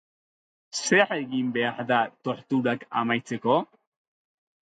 Zer egin behar da torturak amaitzeko?